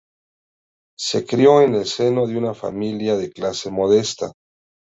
Se crió en el seno de una familia de clase modesta.